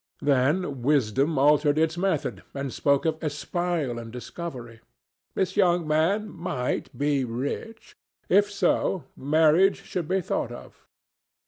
Then wisdom altered its method and spoke of espial and discovery. This young man might be rich. If so, marriage should be thought of.